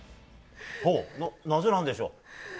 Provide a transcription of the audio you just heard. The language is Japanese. なぜなんでしょう？